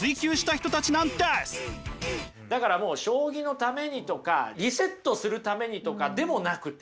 だからもう将棋のためにとかリセットするためにとかでもなくて。